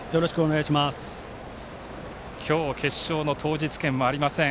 今日決勝の当日券はありません。